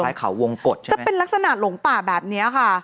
คล้ายเขาวงกฎใช่ไหมจะเป็นลักษณะหลงป่าแบบนี้ค่ะ